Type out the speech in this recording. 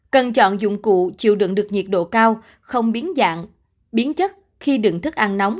cần chọn dụng cụ chịu đựng được nhiệt độ cao không biến dạng biến chất khi đựng thức ăn nóng